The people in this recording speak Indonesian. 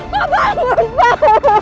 pak bangun pak